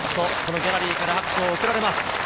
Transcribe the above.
ギャラリーから拍手が送られます。